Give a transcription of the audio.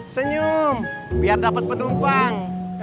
senyum biar dapat penumpang